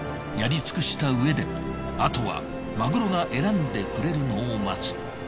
やり尽くしたうえであとはマグロが選んでくれるのを待つ。